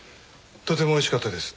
とても美味しかったです。